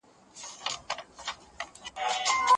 تعلیم د ټولنې د پرمختګ لپاره بنسټیز رول لري او ناپوهي کموي.